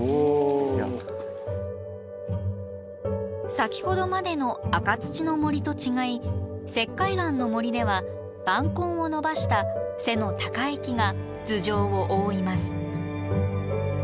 先ほどまでの赤土の森と違い石灰岩の森では板根を伸ばした背の高い木が頭上を覆います。